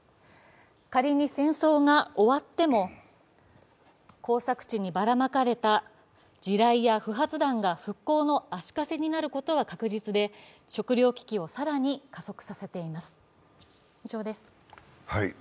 仮に戦争が終わっても耕作地にばらまかれた地雷や不発弾が復興の足かせになることは確実で、食料危機を更に加速させています